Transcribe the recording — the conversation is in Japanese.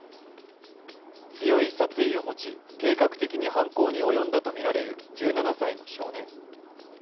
強い殺意を持ち、計画的に犯行に及んだとみられる１７歳の少年。